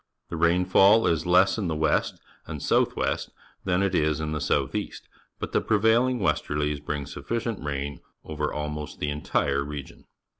The rainfall is less in the west and south west than it is in the south east, but the prevailing westerlies bring sufficient rain over almost the entire region.